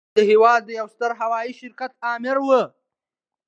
هغه د هېواد د يوه ستر هوايي شرکت آمر و.